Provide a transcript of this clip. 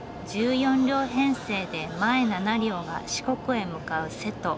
１４両編成で前７両が四国へ向かう瀬戸。